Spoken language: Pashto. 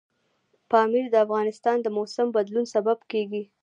پامیر د افغانستان د موسم د بدلون سبب کېږي.